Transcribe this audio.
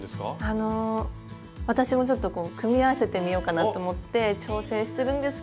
あの私もちょっと組み合わせてみようかなって思って挑戦してるんですけど。